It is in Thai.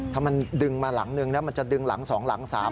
ถ้ามันดึงมาหลังหนึ่งมันจะดึงหลังสองหลังสาม